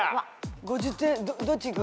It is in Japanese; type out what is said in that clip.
５０点どっちいく？